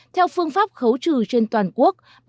theo phương pháp khấu trừ trên toàn quốc